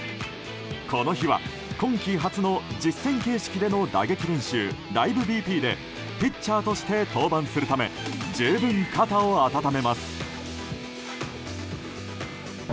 この日は今季初の実戦形式での打撃練習ライブＢＰでピッチャーとして登板するため十分、肩を温めます。